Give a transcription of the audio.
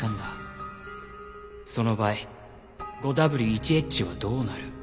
その場合５Ｗ１Ｈはどうなる？